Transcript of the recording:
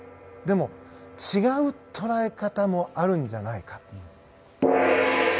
でも、違う捉え方もあるんじゃないか。